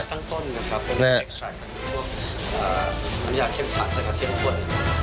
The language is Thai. แอกสาดตั้งต้นครับครับเพราะมีส่วนนี้เข้มทรัพย์กันครับเข้มขน